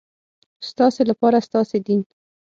ستاسې لپاره ستاسې دین.